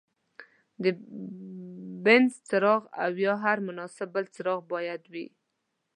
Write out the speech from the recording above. د بنسن څراغ او یا هر مناسب بل څراغ باید وي.